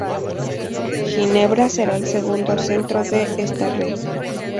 Ginebra será el segundo centro de esta red.